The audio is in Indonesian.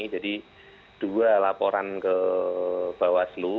jadi dua laporan ke bawah aslu